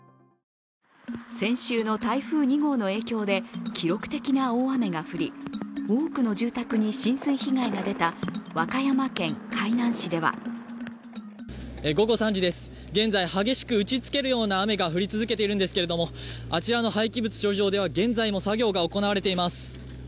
先週の台風２号の影響で記録的な大雨が降り多くの住宅に浸水被害が出た和歌山県海南市では午後３時です、現在激しく打ちつけるような雨が降り続いているんですけれどもあちらの廃棄物処理場では現在も作業が行われています。